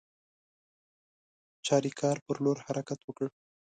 چاریکار پر لور حرکت وکړ.